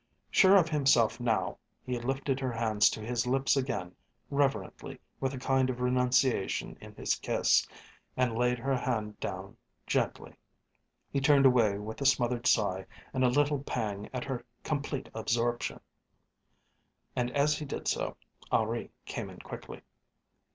Sure of himself now, he lifted her fingers to his lips again reverently with a kind of renunciation in his kiss, and laid her hand down gently. He turned away with a smothered sigh and a little pang at her complete absorption, and, as he did so, Henri came in quickly.